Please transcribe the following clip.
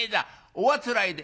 「おあつらえで？